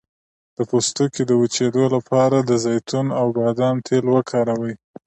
د پوستکي د وچیدو لپاره د زیتون او بادام تېل وکاروئ